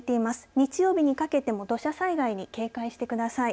日曜日にかけても土砂災害に警戒してください。